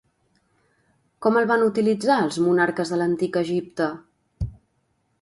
Com el van utilitzar els monarques de l'Antic Egipte?